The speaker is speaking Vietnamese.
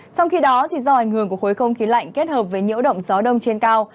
trong khi đó do ảnh hưởng của khối không khí lạnh kết hợp với nhiễu động gió đông trên cao